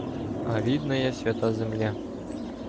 А рідная свята земля